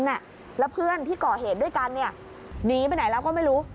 แล้วเพื่อนที่ก่อเหตุด้วยกันเนี่ยหนีไปไหนแล้วก็ไม่รู้